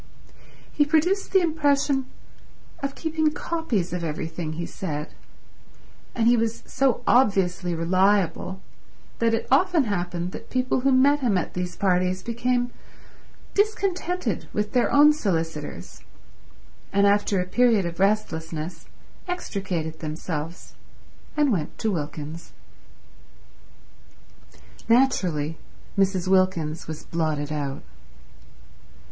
He produced the impression of keeping copies of everything he said; and he was so obviously reliable that it often happened that people who met him at these parties became discontented with their own solicitors, and after a period of restlessness extricated themselves and went to Wilkins. Naturally Mrs. Wilkins was blotted out.